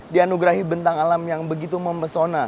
dianugerahi bentang alam yang begitu memesona